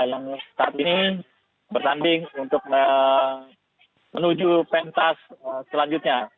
yang saat ini bertanding untuk menuju pentas selanjutnya